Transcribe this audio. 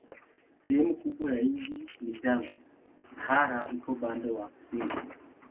Sehemu kubwa ya nchi ni jangwa, Sahara iko upande wa kusini.